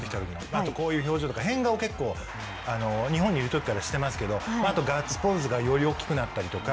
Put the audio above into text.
あとこういう表情とか変顔結構日本にいるときからしてますけどあとガッツポーズがより大きくなったりとか。